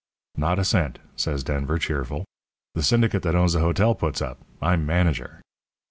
"'Not a cent,' says Denver, cheerful. 'The syndicate that owns the hotel puts up. I'm manager.'